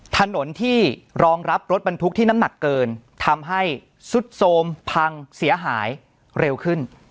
ถนนที่รองรับรถบรรทุกที่น้ำหนักเกินทำให้สุดโทรมพังเสียหายเร็วขึ้น